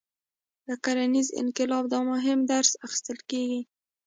له کرنیز انقلاب دا مهم درس اخیستل کېږي.